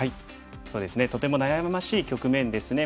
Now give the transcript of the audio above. そうですねとても悩ましい局面ですね。